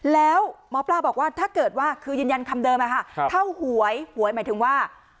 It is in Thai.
แล้วหมอปลาบอกว่าถ้าเกิดว่าคือยืนยันคำเดิมเท่าหวยหวยหมายถึงว่า